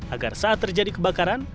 agar saat terjadi kebakaran